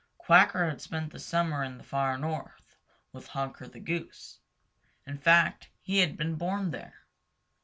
Quacker had spent the summer in the Far North with Honker the Goose. In fact, he had been born there.